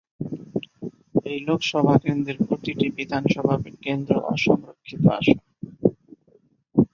এই লোকসভা কেন্দ্রের প্রতিটি বিধানসভা কেন্দ্র অসংরক্ষিত আসন।